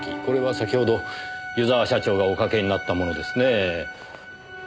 これは先ほど湯沢社長がおかけになったものですねぇ。